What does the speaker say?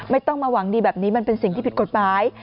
ไม่ต้องมาหวังดีแบบนี้มันเป็นสิ่งที่ผิดกฎหมาย